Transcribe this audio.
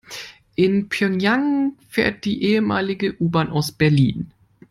In Pjöngjang fährt die ehemalige U-Bahn aus Berlin.